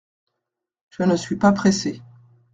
Je ne suis pas pressé.